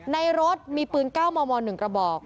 ในรถมีปืน๙มม๑กระบอก